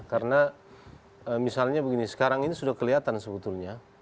karena misalnya begini sekarang ini sudah kelihatan sebetulnya